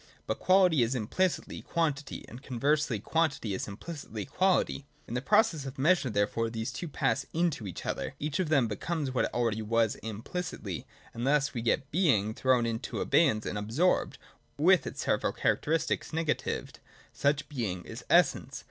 But quality is implicitly quantity, and conversely quantity is implicitly quality. In the process of measure, therefore, these two pass into each other : each of them becomes what it already was implicitly : and thus we get Being thrown into abeyance and absorbed, with its several characteristics negatived. Such Being is Essence.